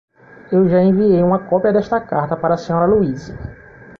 Eu já enviei uma cópia desta carta para a Sra. Louise.